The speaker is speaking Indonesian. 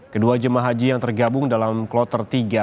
kedua jemaah haji yang tergabung dalam kloter tiga